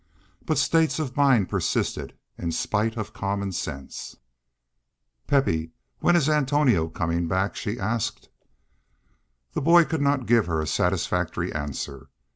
But states of mind persisted in spite of common sense. "Pepe, when is Antonio comin' back?" she asked. The boy could not give her a satisfactory answer.